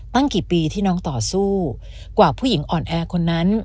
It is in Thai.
กี่ปีที่น้องต่อสู้กว่าผู้หญิงอ่อนแอคนนั้น